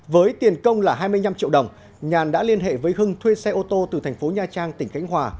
với tiền công là hai mươi năm triệu đồng nhàn đã liên hệ với hưng thuê xe ô tô từ thành phố nha trang tỉnh khánh hòa